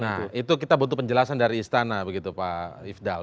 nah itu kita butuh penjelasan dari istana begitu pak ifdal